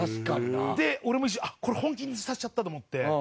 で俺も一瞬これ本気にさせちゃったと思って。